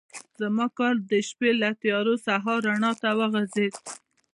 زما کار د شپې له تیارو د سهار رڼا ته وغځېد.